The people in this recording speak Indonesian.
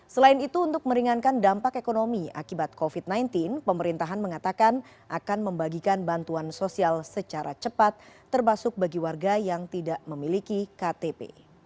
selain itu untuk meringankan dampak ekonomi akibat covid sembilan belas pemerintahan mengatakan akan membagikan bantuan sosial secara cepat termasuk bagi warga yang tidak memiliki ktp